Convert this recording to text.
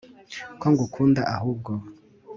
ko ngukunda ahubwo